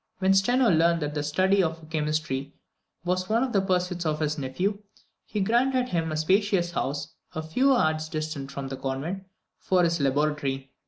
When Steno learned that the study of chemistry was one of the pursuits of his nephew, he granted him a spacious house, a few yards distant from the convent, for his laboratory.